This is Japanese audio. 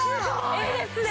いいですね。